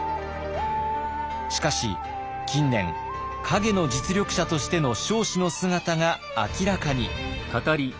しかし近年陰の実力者としての彰子の姿が明らかに。